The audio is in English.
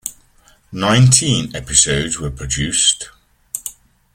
Nineteen episodes were produced.